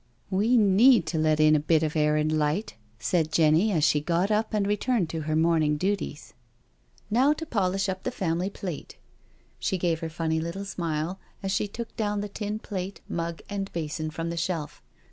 " We need to let in a bit of air and light/' said Jenny, as she got up and returned to her morning duties. *' Now to polish up the family plate." She gave her funny little smile as she took down the tin plate, mug and basin from the shelf.